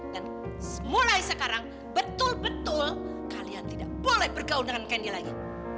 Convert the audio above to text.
dan mulai sekarang betul betul kalian tidak boleh bergaul dengan candy lagi